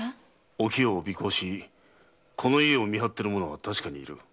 お清を尾行しこの家を見張っている者は確かにいる。